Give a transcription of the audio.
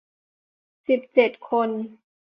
สิบเจ็ด คน